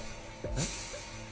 えっ？